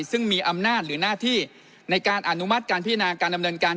ซึ่งมีอำนาจหรือหน้าที่ในการอนุมัติการพินาการดำเนินการ